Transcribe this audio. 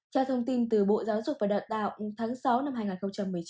theo thông tin từ bộ giáo dục và đào tạo tháng sáu năm hai nghìn một mươi chín